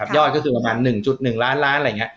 ยอดคือประมาณ๑๑ล้านล้าน